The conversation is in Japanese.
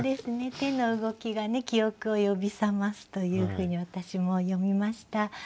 手の動きが記憶を呼び覚ますというふうに私も読みました。